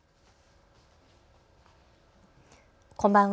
こんばんは。